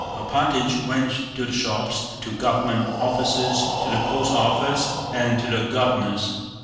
Alpátych went to the shops, to government offices, to the post office, and to the Governor's.